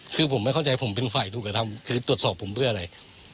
คือผมไม่เข้าใจผมเป็นฝ่ายถูกกระทำคือตรวจสอบผมเพื่ออะไร